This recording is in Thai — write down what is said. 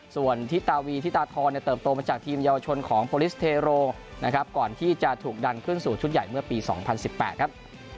ส่วนทิตาวีธิตาทรเติบโตมาจากทีมเยาวชนของโปรลิสเทโรนะครับก่อนที่จะถูกดันขึ้นสู่ชุดใหญ่เมื่อปี๒๐๑๘ครับ